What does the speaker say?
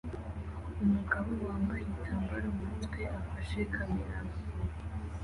Umugabo wambaye igitambaro mu mutwe afashe kamera